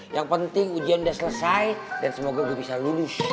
yang penting ujian sudah selesai dan semoga udah bisa lulus